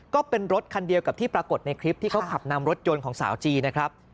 ก็เป็นรถคันเดียวกับที่ปรากฏในคลิปที่เขาขับนำรถยนต์ของสาวจีนนะครับ